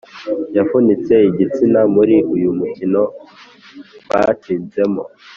yavunitse igitsina muri uyu mukino batsinzemo